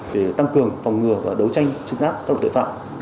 để tăng cường phòng ngừa và đấu tranh chấn áp